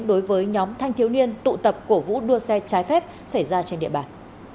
đối với nhóm thanh thiếu niên tụ tập cổ vũ đua xe trái phép xảy ra trên địa bàn